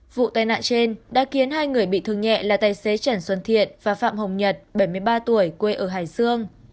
vụ tai nạn trên đã khiến hai người bị thương nhẹ là tài xế trần xuân thiện và phạm hồng nhật bảy mươi ba tuổi quê ở hải dương